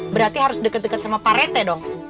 berarti harus deket deket sama pak rete dong